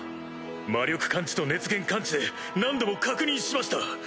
魔力感知と熱源感知で何度も確認しました。